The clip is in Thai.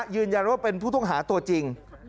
ยืนยันว่าเป็นผู้ต้องหาตัวจริง